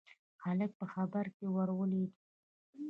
هلک په خبره کې ور ولوېد: